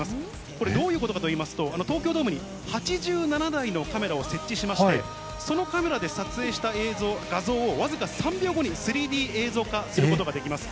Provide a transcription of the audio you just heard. これどういうことかといいますと、東京ドームに８７台のカメラを設置しまして、そのカメラで撮影した映像、画像を僅か３秒後に３Ｄ映像化することができます。